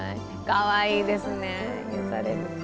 かわいいですね、癒やされる。